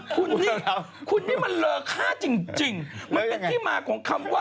คุณนี่คุณนี่มันเลอค่าจริง